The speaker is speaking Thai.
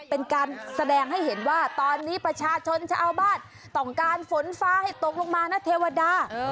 เป็นการแสดงให้เห็นว่าตอนนี้ประชาชนชาวบ้านต้องการฝนฟ้าให้ตกลงมานะเทวดา